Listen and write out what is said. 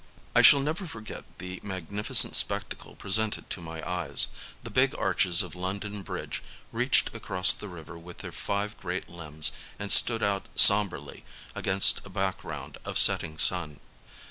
I shall never forget the magnificent spectacle presented to my eyes : the big arches of London Bridge reached across the river with their five great limbs and stood out sombrely against a background of setting sun.